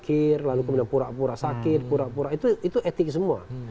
itu etiknya semua